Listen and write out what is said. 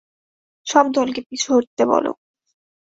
সব দলকে পিছু হটতে বলো।